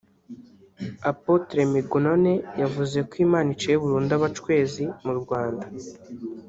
Apotre Mignonne yavuze ko Imana iciye burundu abacwezi mu Rwanda